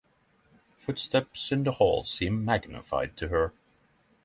Footsteps in the hall seem magnified to her.